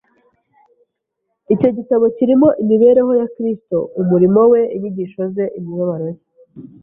Icyo gitabo kirimo imibereho ya Kristo, umurimo we, inyigisho ze, imibabaro ye,